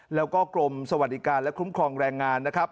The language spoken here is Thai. แล้วก็กรมสวัสดิการและคุ้มครองแรงงานนะครับ